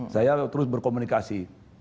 saya terus berkomunikasi